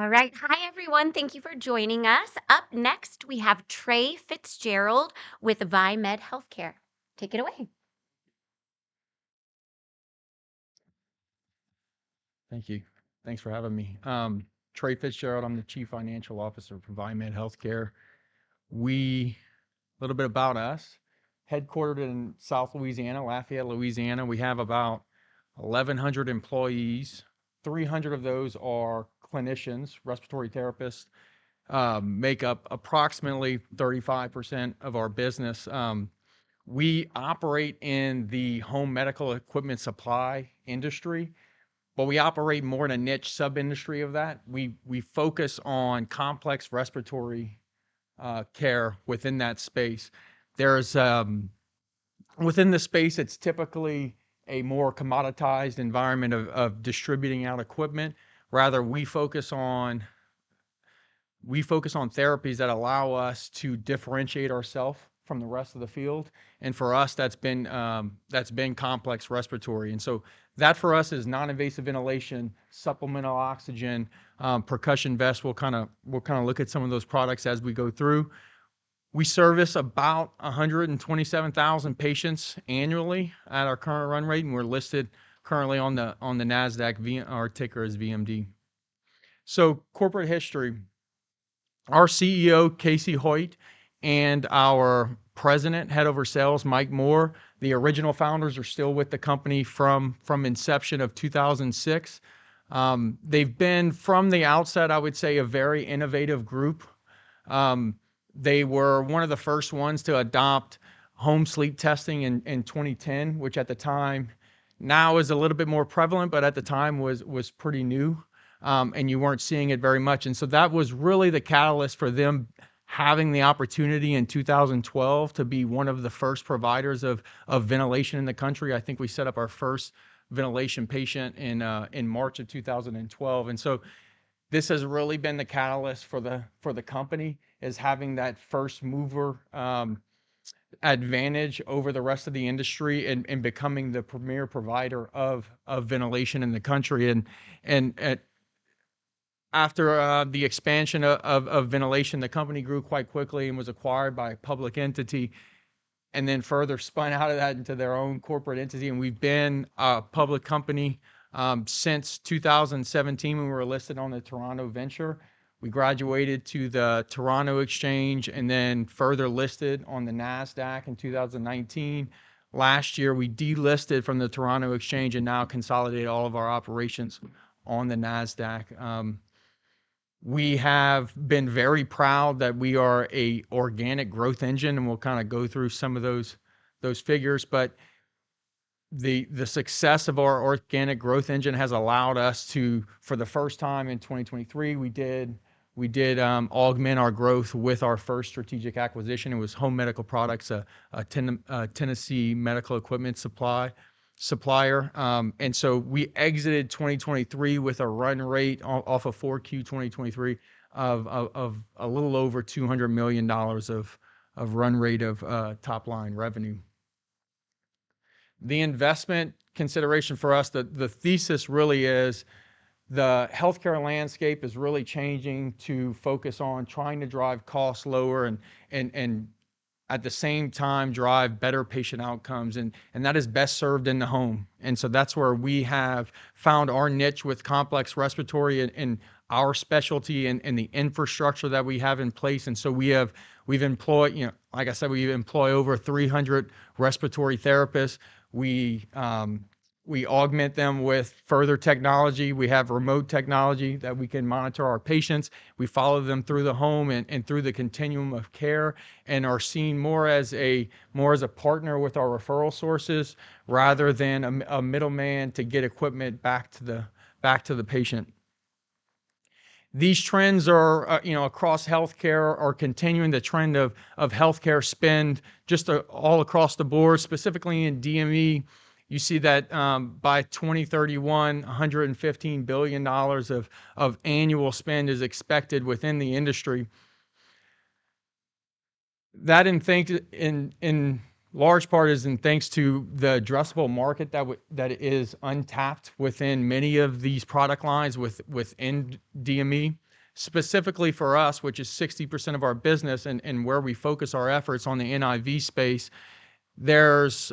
All right. Hi, everyone. Thank you for joining us. Up next, we have Trae Fitzgerald with VieMed Healthcare. Take it away. Thank you. Thanks for having me. Trae Fitzgerald, I'm the Chief Financial Officer for VieMed Healthcare. We. A little bit about us: headquartered in South Louisiana, Lafayette, Louisiana. We have about 1,100 employees. 300 of those are clinicians. Respiratory therapists make up approximately 35% of our business. We operate in the home medical equipment supply industry, but we operate more in a niche sub-industry of that. We focus on complex respiratory care within that space. There's within the space, it's typically a more commoditized environment of distributing out equipment. Rather, we focus on therapies that allow us to differentiate ourselves from the rest of the field, and for us, that's been complex respiratory. And so that, for us, is non-invasive ventilation, supplemental oxygen, percussion vests. We'll kinda look at some of those products as we go through. We service about 127,000 patients annually at our current run rate, and we're listed currently on the NASDAQ, our ticker is VMD. So corporate history. Our CEO, Casey Hoyt, and our president, head over sales, Mike Moore, the original founders, are still with the company from inception of 2006. They've been, from the outset, I would say, a very innovative group. They were one of the first ones to adopt home sleep testing in 2010, which at the time, now is a little bit more prevalent, but at the time was pretty new, and you weren't seeing it very much. And so that was really the catalyst for them having the opportunity in 2012 to be one of the first providers of ventilation in the country. I think we set up our first ventilation patient in March of 2012. And so this has really been the catalyst for the company, is having that first mover advantage over the rest of the industry and becoming the premier provider of ventilation in the country. And after the expansion of ventilation, the company grew quite quickly and was acquired by a public entity, and then further spun out of that into their own corporate entity. And we've been a public company since 2017, when we were listed on the Toronto Venture. We graduated to the Toronto Stock Exchange and then further listed on the NASDAQ in 2019. Last year, we delisted from the Toronto Stock Exchange and now consolidate all of our operations on the NASDAQ. We have been very proud that we are an organic growth engine, and we'll kinda go through some of those figures. But the success of our organic growth engine has allowed us to, for the first time in 2023, we did augment our growth with our first strategic acquisition. It was Home Medical Products, a Tennessee medical equipment supplier. And so we exited 2023 with a run rate off of 4Q 2023 of a little over $200 million of run rate of top-line revenue. The investment consideration for us, the thesis really is the healthcare landscape is really changing to focus on trying to drive costs lower and at the same time, drive better patient outcomes, and that is best served in the home. And so that's where we have found our niche with complex respiratory and our specialty and the infrastructure that we have in place. And so we have, we've employed—You know, like I said, we employ over 300 respiratory therapists. We augment them with further technology. We have remote technology that we can monitor our patients. We follow them through the home and through the continuum of care, and are seen more as a partner with our referral sources, rather than a middleman to get equipment back to the patient. These trends are, you know, across healthcare, are continuing the trend of healthcare spend just all across the board. Specifically in DME, you see that, by 2031, $115 billion of annual spend is expected within the industry. That, in large part, is in thanks to the addressable market that that is untapped within many of these product lines within DME. Specifically for us, which is 60% of our business and where we focus our efforts on the NIV space, there's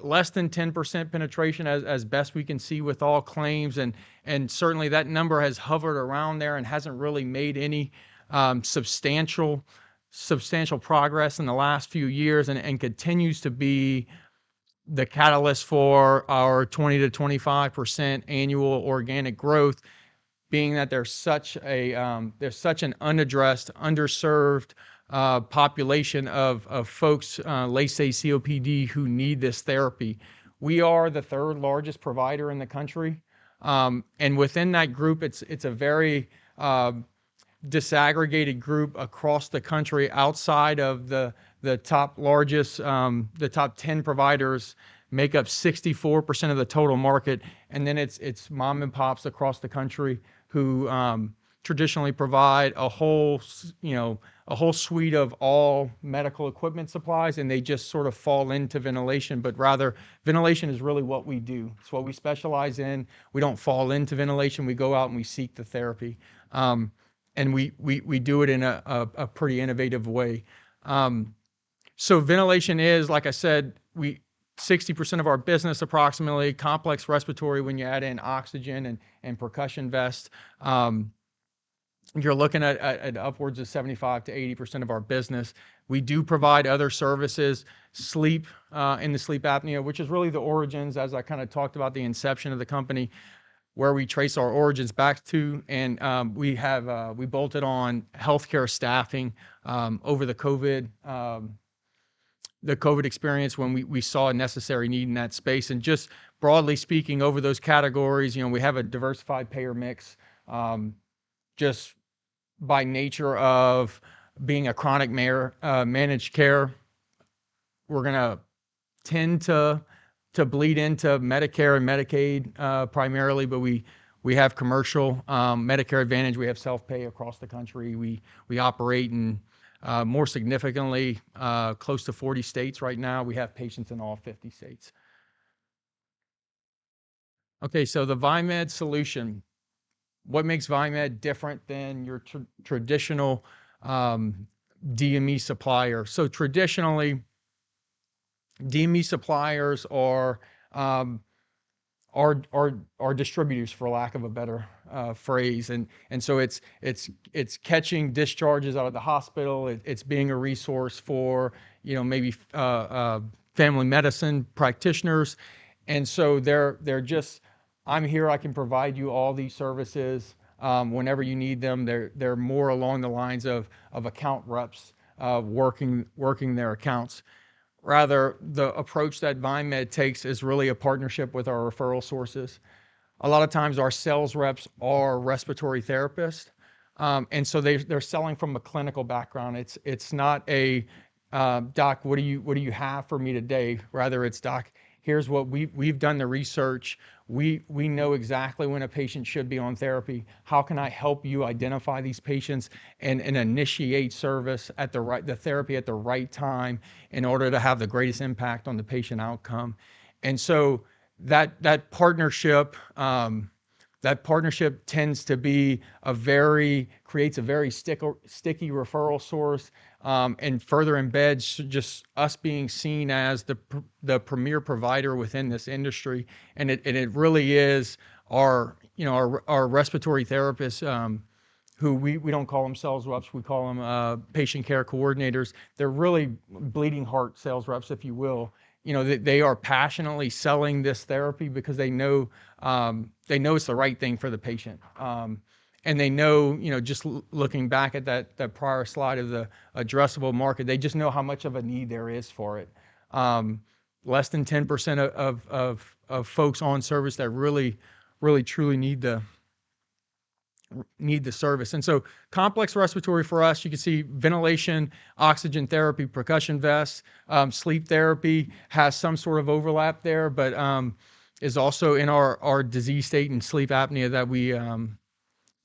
less than 10% penetration as best we can see with all claims, and certainly, that number has hovered around there and hasn't really made any substantial progress in the last few years and continues to be the catalyst for our 20%-25% annual organic growth, being that there's such an unaddressed, underserved population of folks, let's say COPD, who need this therapy. We are the third-largest provider in the country, and within that group, it's a very disaggregated group across the country, outside of the top largest, the top ten providers make up 64% of the total market. And then it's mom-and-pops across the country who traditionally provide a whole you know, a whole suite of all medical equipment supplies, and they just sort of fall into ventilation. But rather, ventilation is really what we do. It's what we specialize in. We don't fall into ventilation. We go out and we seek the therapy, and we do it in a pretty innovative way. So ventilation is, like I said, 60% of our business, approximately, complex respiratory, when you add in oxygen and percussion vest, you're looking at upwards of 75%-80% of our business. We do provide other services, sleep, and the sleep apnea, which is really the origins as I kind of talked about the inception of the company, where we trace our origins back to, and, we have, we bolted on healthcare staffing, over the COVID, the COVID experience, when we, we saw a necessary need in that space, and just broadly speaking, over those categories, you know, we have a diversified payer mix. Just by nature of being a chronic Medicare-managed care, we're gonna tend to, to bleed into Medicare and Medicaid, primarily, but we, we have commercial, Medicare Advantage, we have self-pay across the country. We, we operate in, more significantly, close to 40 states right now. We have patients in all 50 states. Okay, so the VieMed solution. What makes VieMed different than your traditional DME supplier? So traditionally, DME suppliers are distributors, for lack of a better phrase. And so it's catching discharges out of the hospital, it's being a resource for, you know, maybe family medicine practitioners. And so they're just, "I'm here, I can provide you all these services whenever you need them." They're more along the lines of account reps working their accounts. Rather, the approach that VieMed takes is really a partnership with our referral sources. A lot of times, our sales reps are respiratory therapists, and so they're selling from a clinical background. It's not a, "Doc, what do you have for me today?" Rather, it's, "Doc, here's what... We've done the research. We know exactly when a patient should be on therapy. How can I help you identify these patients and initiate service at the right, the therapy at the right time, in order to have the greatest impact on the patient outcome? And so that partnership tends to be a very sticky referral source, and further embeds just us being seen as the premier provider within this industry. And it really is our, you know, our respiratory therapists who we don't call them sales reps, we call them patient care coordinators. They're really bleeding heart sales reps, if you will. You know, they are passionately selling this therapy because they know it's the right thing for the patient. And they know, you know, just looking back at that prior slide of the addressable market, they just know how much of a need there is for it. Less than 10% of folks on service that really truly need the service. And so complex respiratory for us, you can see ventilation, oxygen therapy, percussion vests, sleep therapy has some sort of overlap there, but is also in our disease state and sleep apnea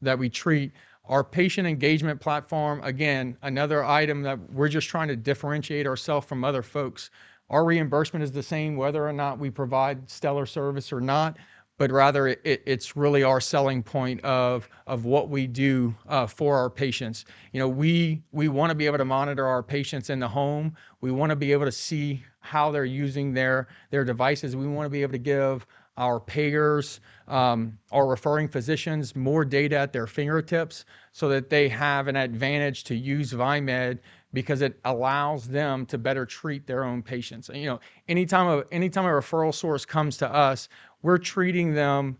that we treat. Our patient engagement platform, again, another item that we're just trying to differentiate ourself from other folks. Our reimbursement is the same whether or not we provide stellar service or not, but rather it's really our selling point of what we do for our patients. You know, we wanna be able to monitor our patients in the home. We wanna be able to see how they're using their devices. We wanna be able to give our payers, our referring physicians, more data at their fingertips so that they have an advantage to use VieMed because it allows them to better treat their own patients. And, you know, anytime a referral source comes to us, we're treating them,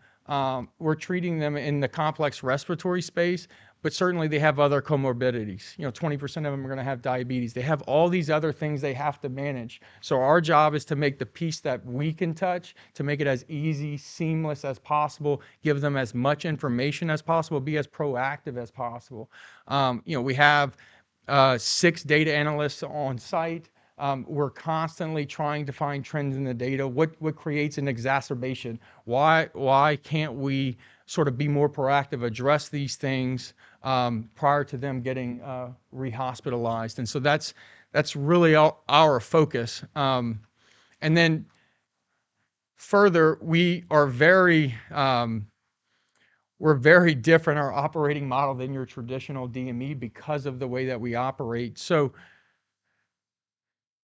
we're treating them in the complex respiratory space, but certainly, they have other comorbidities. You know, 20% of them are gonna have diabetes. They have all these other things they have to manage. So our job is to make the piece that we can touch, to make it as easy, seamless as possible, give them as much information as possible, be as proactive as possible. You know, we have six data analysts on site. We're constantly trying to find trends in the data. What creates an exacerbation? Why can't we sort of be more proactive, address these things prior to them getting re-hospitalized? And so that's really our focus. And then further, we are very, we're very different, our operating model, than your traditional DME because of the way that we operate. So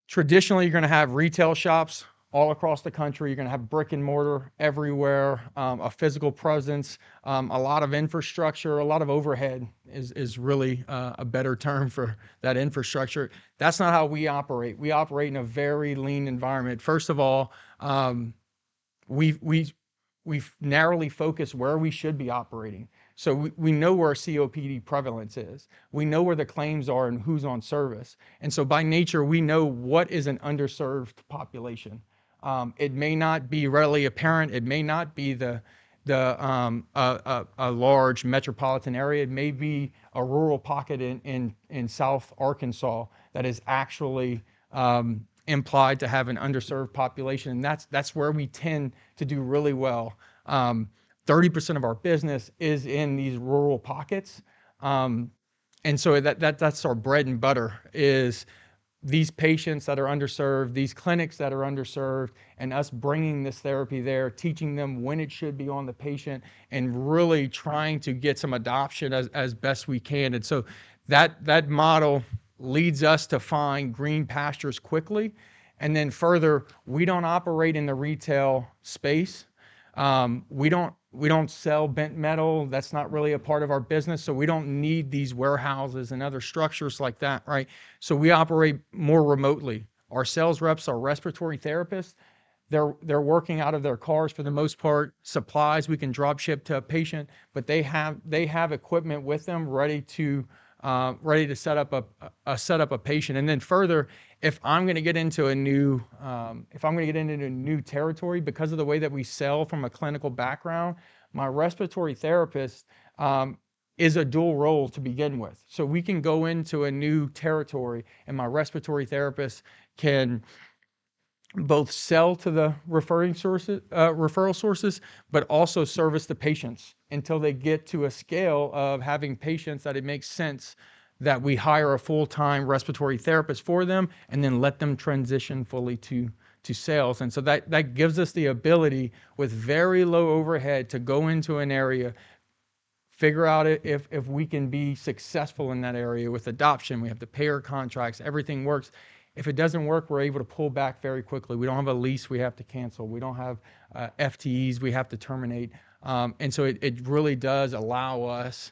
traditionally, you're gonna have retail shops all across the country, you're gonna have brick-and-mortar everywhere, a physical presence, a lot of infrastructure, a lot of overhead is really a better term for that infrastructure. That's not how we operate. We operate in a very lean environment. First of all, we've narrowly focused where we should be operating. So we know where COPD prevalence is, we know where the claims are and who's on service, and so by nature, we know what is an underserved population. It may not be readily apparent, it may not be the large metropolitan area. It may be a rural pocket in South Arkansas that is actually implied to have an underserved population, and that's where we tend to do really well. 30% of our business is in these rural pockets. And so that's our bread and butter, is these patients that are underserved, these clinics that are underserved, and us bringing this therapy there, teaching them when it should be on the patient, and really trying to get some adoption as best we can. And so that model leads us to find green pastures quickly. And then further, we don't operate in the retail space. We don't sell bent metal. That's not really a part of our business, so we don't need these warehouses and other structures like that, right? So we operate more remotely. Our sales reps, our respiratory therapists, they're working out of their cars for the most part. Supplies, we can drop ship to a patient, but they have equipment with them ready to set up a patient. And then further, if I'm gonna get into a new territory, because of the way that we sell from a clinical background, my respiratory therapist is a dual role to begin with. So we can go into a new territory, and my respiratory therapist can both sell to the referring sources—referral sources, but also service the patients until they get to a scale of having patients that it makes sense that we hire a full-time respiratory therapist for them, and then let them transition fully to sales. And so that gives us the ability, with very low overhead, to go into an area, figure out if we can be successful in that area. With adoption, we have the payer contracts, everything works. If it doesn't work, we're able to pull back very quickly. We don't have a lease we have to cancel. We don't have FTEs we have to terminate. And so it really does allow us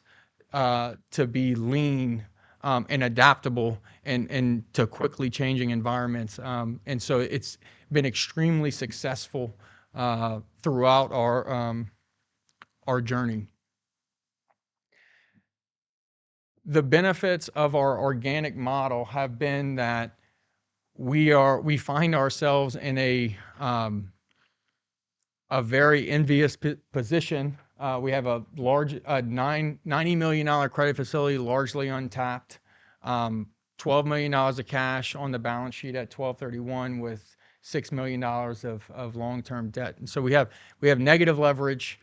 to be lean and adaptable and to quickly changing environments. And so it's been extremely successful throughout our journey. The benefits of our organic model have been that we are. We find ourselves in a very envious position. We have a large $90 million credit facility, largely untapped. $12 million of cash on the balance sheet at 12/31, with $6 million of long-term debt. And so we have negative leverage.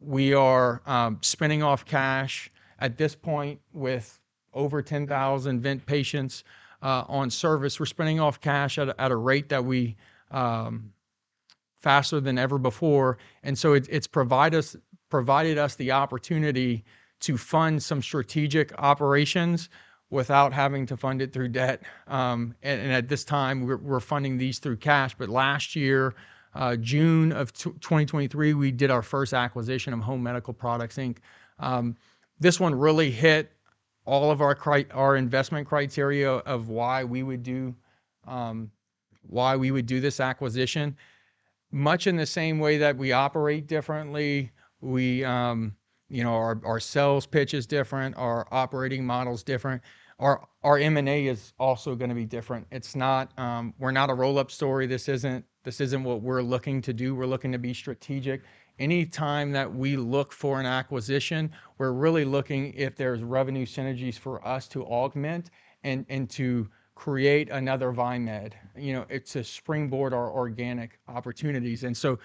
We are spinning off cash at this point with over 10,000 vent patients on service. We're spinning off cash at a rate that we faster than ever before. And so it's provided us the opportunity to fund some strategic operations without having to fund it through debt. And at this time, we're funding these through cash. But last year, June of 2023, we did our first acquisition of Home Medical Products Inc. This one really hit all of our investment criteria of why we would do this acquisition. Much in the same way that we operate differently, we, you know, our sales pitch is different, our operating model's different, our M&A is also gonna be different. It's not, we're not a roll-up story. This isn't what we're looking to do. We're looking to be strategic. Any time that we look for an acquisition, we're really looking if there's revenue synergies for us to augment and to create another VieMed. You know, it's to springboard our organic opportunities, and so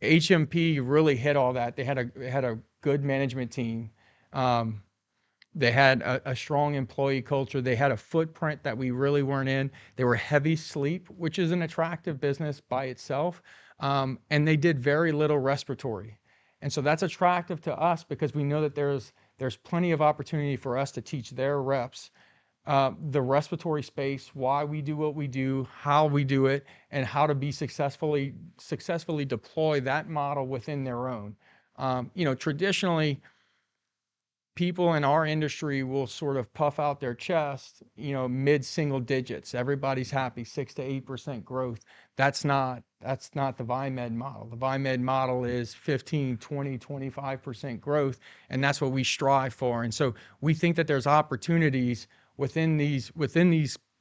HMP really hit all that. They had a good management team. They had a strong employee culture. They had a footprint that we really weren't in. They were heavy sleep, which is an attractive business by itself, and they did very little respiratory. And so that's attractive to us because we know that there's plenty of opportunity for us to teach their reps, the respiratory space, why we do what we do, how we do it, and how to be successfully deploy that model within their own. You know, traditionally, people in our industry will sort of puff out their chest, you know, mid-single digits. Everybody's happy, 6%-8% growth. That's not the VieMed model. The VieMed model is 15, 20, 25% growth, and that's what we strive for. And so we think that there's opportunities within these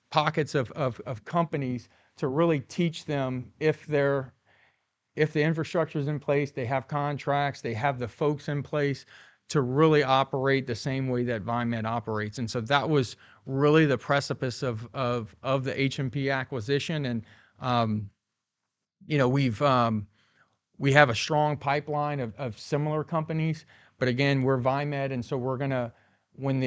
pockets of companies to really teach them, if the infrastructure's in place, they have contracts, they have the folks in place to really operate the same way that VieMed operates. And so that was really the precipice of the HMP acquisition. And, you know, we have a strong pipeline of similar companies, but again, we're VieMed, and so we're gonna... When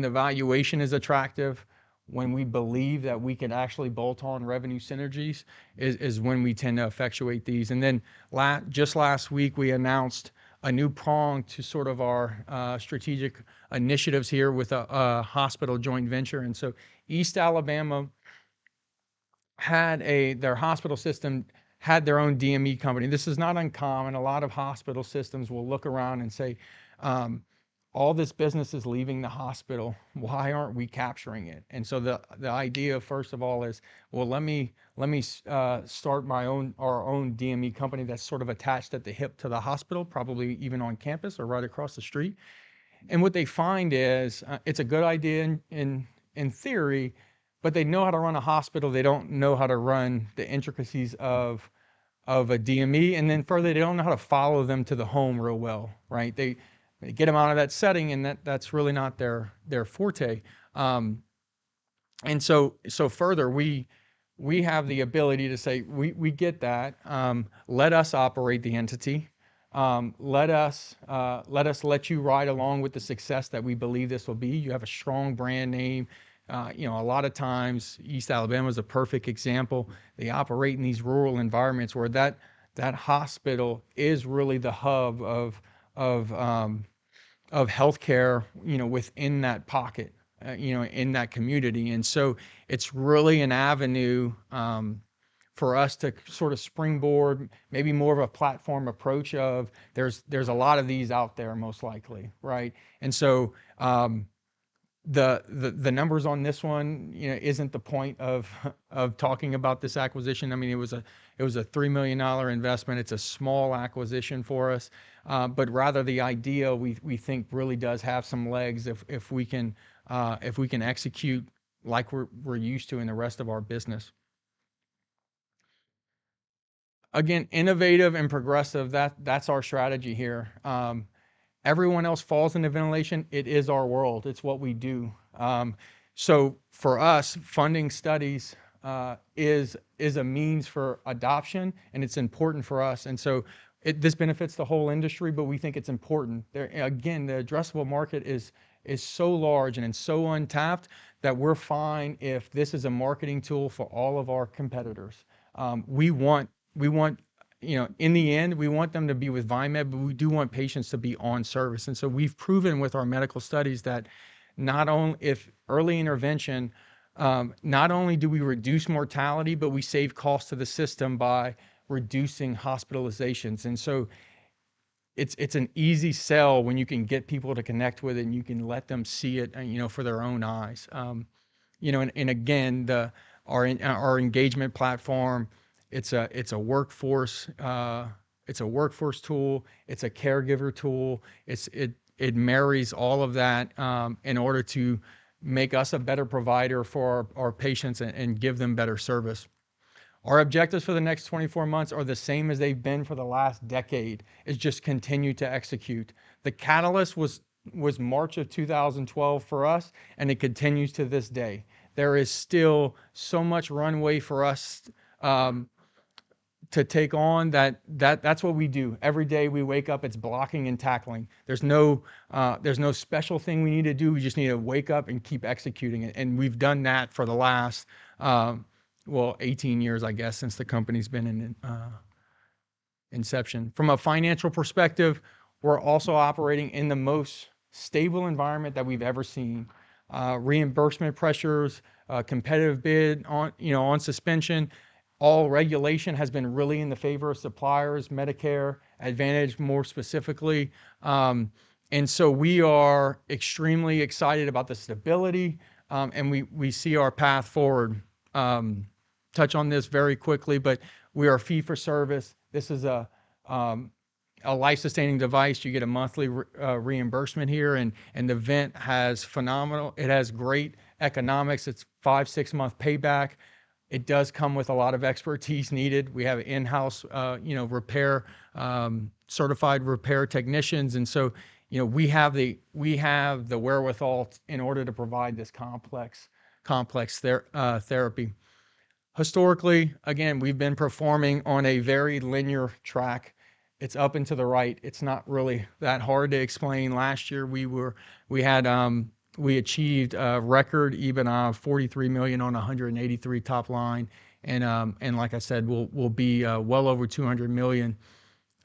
the valuation is attractive, when we believe that we can actually bolt on revenue synergies, is when we tend to effectuate these. And then just last week, we announced a new prong to sort of our strategic initiatives here with a hospital joint venture. And so East Alabama Health, their hospital system had their own DME company. This is not uncommon. A lot of hospital systems will look around and say, "All this business is leaving the hospital. Why aren't we capturing it?" And so the idea, first of all, is, well, let me start my own, our own DME company that's sort of attached at the hip to the hospital, probably even on campus or right across the street. And what they find is, it's a good idea in theory, but they know how to run a hospital, they don't know how to run the intricacies of a DME, and then further, they don't know how to follow them to the home real well, right? They get them out of that setting, and that's really not their forte. And so further, we have the ability to say, "We get that. Let us operate the entity. Let us let you ride along with the success that we believe this will be. "You have a strong brand name." You know, a lot of times, East Alabama is a perfect example. They operate in these rural environments where that hospital is really the hub of healthcare, you know, within that pocket, you know, in that community. And so it's really an avenue for us to sort of springboard, maybe more of a platform approach of, there's a lot of these out there, most likely, right? And so the numbers on this one, you know, isn't the point of talking about this acquisition. I mean, it was a $3 million investment. It's a small acquisition for us, but rather the idea, we think really does have some legs if we can execute like we're used to in the rest of our business. Again, innovative and progressive, that's our strategy here. Everyone else falls into ventilation. It is our world. It's what we do. So for us, funding studies is a means for adoption, and it's important for us. And so this benefits the whole industry, but we think it's important. Again, the addressable market is so large and so untapped, that we're fine if this is a marketing tool for all of our competitors. We want, you know, in the end, we want them to be with VieMed, but we do want patients to be on service. And so we've proven with our medical studies that if early intervention, not only do we reduce mortality, but we save costs to the system by reducing hospitalizations. And so it's an easy sell when you can get people to connect with it, and you can let them see it, you know, for their own eyes. You know, and again, our engagement platform, it's a workforce tool, it's a caregiver tool. It marries all of that in order to make us a better provider for our patients and give them better service. Our objectives for the next 24 months are the same as they've been for the last decade, is just continue to execute. The catalyst was March of 2012 for us, and it continues to this day. There is still so much runway for us to take on, that's what we do. Every day we wake up, it's blocking and tackling. There's no special thing we need to do. We just need to wake up and keep executing it, and we've done that for the last, well, 18 years, I guess, since the company's been in inception. From a financial perspective, we're also operating in the most stable environment that we've ever seen. Reimbursement pressures, competitive bid on, you know, on suspension, all regulation has been really in the favor of suppliers, Medicare Advantage more specifically. And so we are extremely excited about the stability, and we see our path forward. Touch on this very quickly, but we are fee for service. This is a life-sustaining device. You get a monthly reimbursement here, and the vent has great economics. It's 5-6-month payback. It does come with a lot of expertise needed. We have in-house, you know, repair, certified repair technicians, and so, you know, we have the wherewithal in order to provide this complex therapy. Historically, again, we've been performing on a very linear track. It's up and to the right. It's not really that hard to explain. Last year, we achieved a record EBITDA of $43 million on a $183 million top line, and like I said, we'll be well over $200 million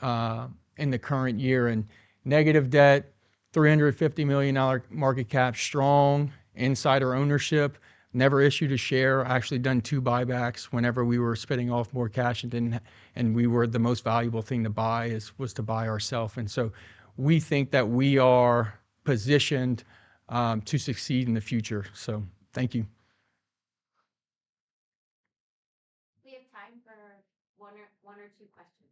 in the current year. Negative debt, $350 million market cap, strong insider ownership, never issued a share. I actually done two buybacks whenever we were spinning off more cash and we were the most valuable thing to buy was to buy ourself, and so we think that we are positioned to succeed in the future. So thank you. We have time for one or two questions.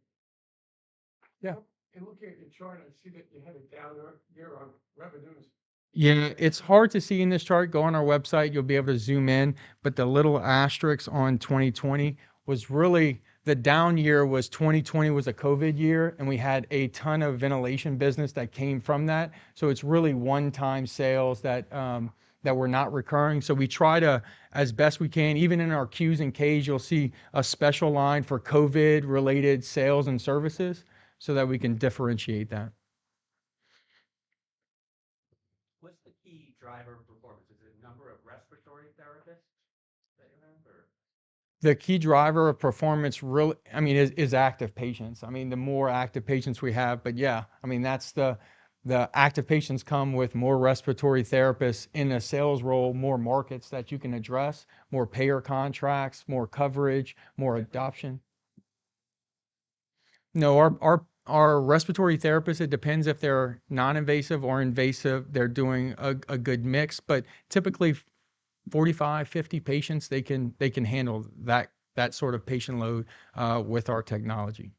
Yeah. In looking at the chart, I see that you had a down year on revenues. Yeah, it's hard to see in this chart. Go on our website, you'll be able to zoom in, but the little asterisks on 2020 was really... the down year was 2020, a COVID year, and we had a ton of ventilation business that came from that. So it's really one-time sales that were not recurring. So we try to, as best we can, even in our Qs and Ks, you'll see a special line for COVID-related sales and services so that we can differentiate that. What's the key driver of performance? Is it number of respiratory therapists that you have, or? The key driver of performance really, I mean, is active patients. I mean, the more active patients we have, but yeah, I mean, that's the... The active patients come with more respiratory therapists in a sales role, more markets that you can address, more payer contracts, more coverage, more adoption. No, our respiratory therapists, it depends if they're non-invasive or invasive, they're doing a good mix, but typically 45, 50 patients, they can handle that sort of patient load with our technology.